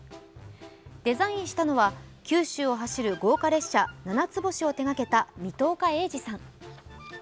デザインしたのは九州を走る豪華列車・ななつ星を手がけた水戸岡鋭治さん。